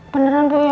beneran bu ya